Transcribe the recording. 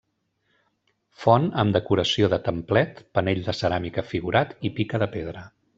Font amb decoració de templet, panell de ceràmica figurat i pica de pedra.